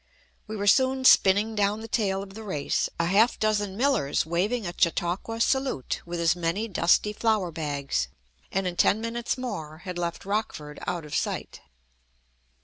We were soon spinning down the tail of the race, a half dozen millers waving a "Chautauqua salute" with as many dusty flour bags, and in ten minutes more had left Rockford out of sight.